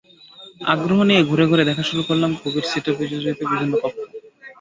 আগ্রহ নিয়ে ঘুরে ঘুরে দেখা শুরু করলাম কবির স্মৃতিবিজড়িত বিভিন্ন কক্ষ।